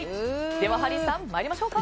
ではハリーさん、参りましょう。